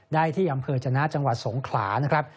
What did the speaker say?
ได้ที่อำเภอจนะจังหวัดสงขลานะครับ